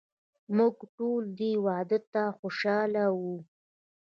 موږ ټول دې واده ته خوشحاله وو.